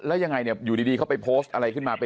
แล้วยังไงเนี่ยอยู่ดีเขาไปโพสต์อะไรขึ้นมา